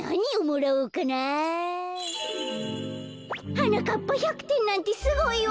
「はなかっぱ１００てんなんてすごいわ。